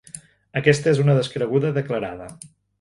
Aquesta és una descreguda declarada.